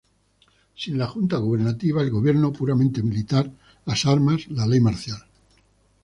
Sin la Junta Gubernativa,- el gobierno puramente militar- las armas, la ley marcial.